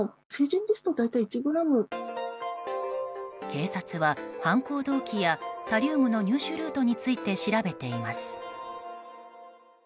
警察は犯行動機やタリウムの入手ルートについて調べています。